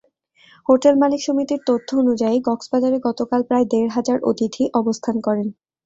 Hotel মালিক সমিতির তথ্য অনুযায়ী, কক্সবাজারে গতকাল প্রায় দেড় হাজার অতিথি অবস্থান করেন।